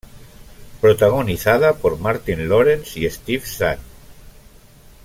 Protagonizada por Martin Lawrence y Steve Zahn.